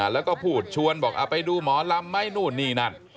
แล้วก็พูดชวนบอกเอาไปดูหมอลำไหมนู่นนี่นั่น